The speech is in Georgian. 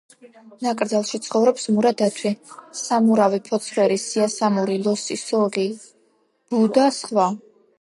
ნაკრძალში ცხოვრობს მურა დათვი, სამურავი, ფოცხვერი, სიასამური, ლოსი, სოღო, ბუ და სხვა.